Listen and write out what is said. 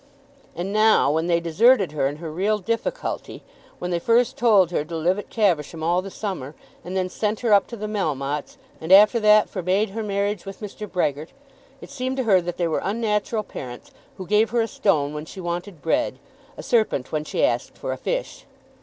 And now when they deserted her in her real difficulty, when they first told her to live at Caversham all the summer, and then sent her up to the Melmottes, and after that forbade her marriage with Mr. Brehgert, it seemed to her that they were unnatural parents who gave her a stone when she wanted bread, a serpent when she asked for a fish.